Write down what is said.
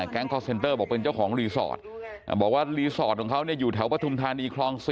คอร์เซ็นเตอร์บอกเป็นเจ้าของรีสอร์ทบอกว่ารีสอร์ทของเขาอยู่แถวปฐุมธานีคลอง๔